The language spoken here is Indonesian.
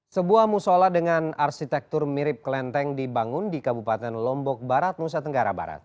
sebuah musola dengan arsitektur mirip kelenteng dibangun di kabupaten lombok barat nusa tenggara barat